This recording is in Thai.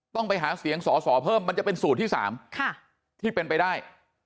ต้องไปหาเสียงสอสอเพิ่มมันจะเป็นสูตรที่๓ที่เป็นไปได้